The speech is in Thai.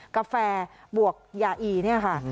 กาแฟบวกยาอีเนี่ยค่ะ